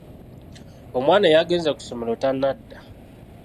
Omwana eyagenze ku ssomero tannadda?